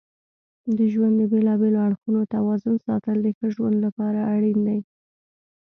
د ژوند د بیلابیلو اړخونو توازن ساتل د ښه ژوند لپاره اړین دي.